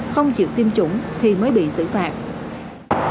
không chịu tiêm chủng thì mới bị xử phạt